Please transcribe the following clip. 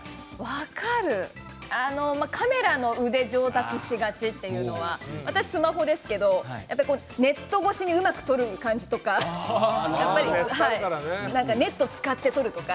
分かるカメラの腕上達しがちというのは私スマホですけどやっぱりネット越しにうまく撮る感じとかネットを使って撮るとか。